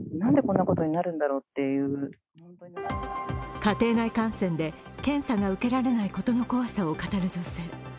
家庭内感染で検査を受けられないことの怖さを語る女性。